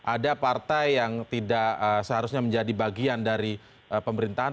ada partai yang tidak seharusnya menjadi bagian dari pemerintahan